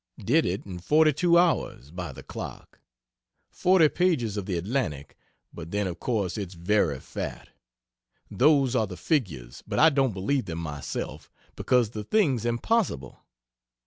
Did it in 42 hours, by the clock; 40 pages of the Atlantic but then of course it's very "fat." Those are the figures, but I don't believe them myself, because the thing's impossible.